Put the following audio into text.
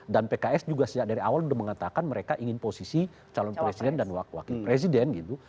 dan pks juga sejak dari awal sudah mengatakan mereka ingin posisi calon presiden dan wakil presiden gitu